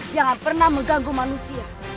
jangan pernah mengganggu manusia